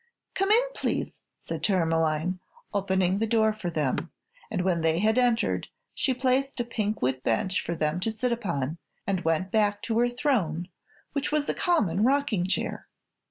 "Come in, please," said Tourmaline, opening the door for them, and when they had entered she placed a pinkwood bench for them to sit upon and went back to her throne, which was a common rocking chair.